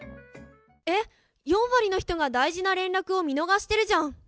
え⁉４割の人が大事な連絡を見逃してるじゃん！